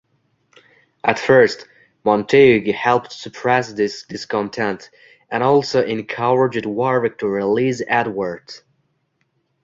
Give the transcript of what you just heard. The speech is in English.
At first, Montagu helped suppress this discontent, and also encouraged Warwick to release Edward.